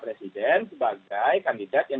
presiden sebagai kandidat yang